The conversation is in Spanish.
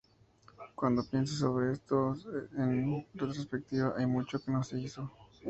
Cuando pienso sobre esto en retrospectiva, hay mucho que no se hizo.